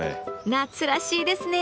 夏らしいですね。